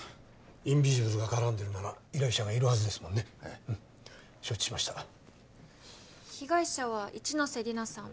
インビジブルが絡んでるなら依頼者がいるはずですもんねええ承知しました被害者は一ノ瀬利奈さん